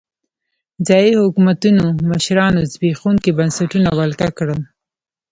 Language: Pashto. ځايي حکومتونو مشرانو زبېښونکي بنسټونه ولکه کړل.